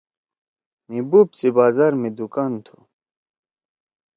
مھی بوپ سی بازار می دُکان تُھو۔